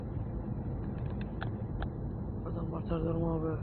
তার বংশে বারজন বাদশাহর জন্ম হবে।